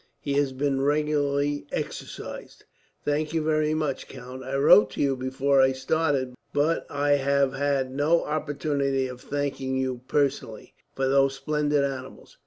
He has been regularly exercised." "Thank you very much, count. I wrote to you before I started, but I have had no opportunity of thanking you, personally, for those splendid animals.